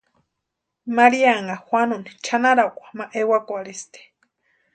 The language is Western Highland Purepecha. Maríanha Juanuni chʼanarakwa ma ewakwarhisti.